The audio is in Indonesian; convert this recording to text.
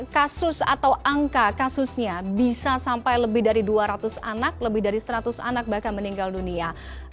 kasus atau angka kasusnya bisa sampai lebih dari dua ratus anak lebih dari seratus anak bahkan meninggal dunia